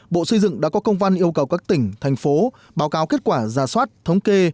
bộ xây dựng đã có công văn yêu cầu các tỉnh thành phố báo cáo kết quả ra soát thống kê